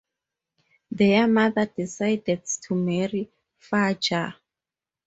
Their mother decides to marry Fajar.